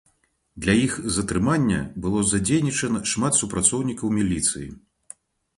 Для іх затрымання было задзейнічана шмат супрацоўнікаў міліцыі.